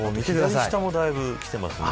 左下も、だいぶきてますね。